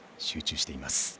集中しています。